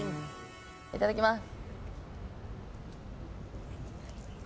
いただきます。